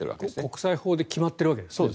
国際法で決まっているわけですね。